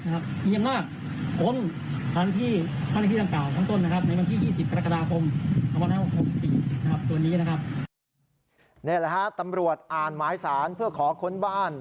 นี่แหละฮะตำรวจอ่านหมายสารเพื่อขอค้นบ้าน